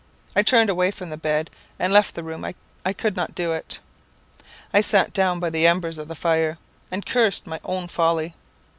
I turned away from the bed, and left the room; I could not do it. I sat down by the embers of the fire, and cursed my own folly.